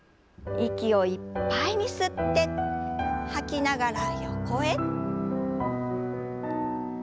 息をいっぱいに吸って吐きながら横へ。